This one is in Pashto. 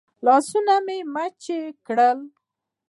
لاسونه مې وچ کړل.